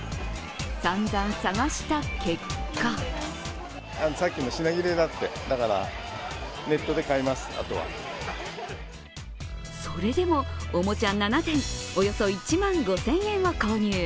さんざん探した結果それでもおもちゃ７点、およそ１万５０００円を購入。